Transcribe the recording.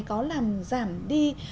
có làm giảm đi